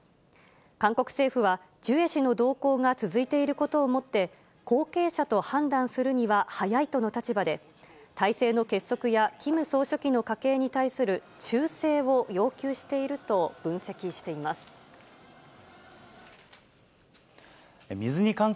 韓国政府は、ジュエ氏の同行が続いていることをもって後継者と判断するには早いとの立場で、体制の結束やキム総書記の家系に対する忠誠を要求していると分析しています。